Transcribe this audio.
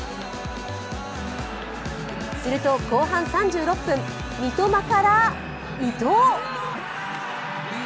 すると、後半３６分三笘から伊東。